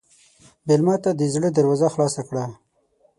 مېلمه ته د زړه دروازه خلاصه کړه.